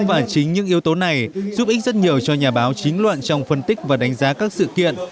và chính những yếu tố này giúp ích rất nhiều cho nhà báo chính luận trong phân tích và đánh giá các sự kiện